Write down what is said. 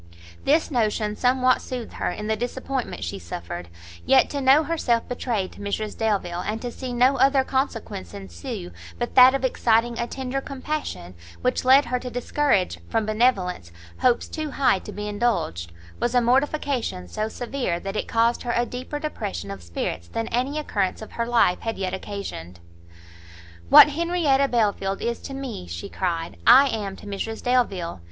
This notion somewhat soothed her in the disappointment she suffered; yet to know herself betrayed to Mrs Delvile, and to see no other consequence ensue but that of exciting a tender compassion, which led her to discourage, from benevolence, hopes too high to be indulged, was a mortification so severe, that it caused her a deeper depression of spirits than any occurrence of her life had yet occasioned. "What Henrietta Belfield is to me," she cried, "I am to Mrs Delvile!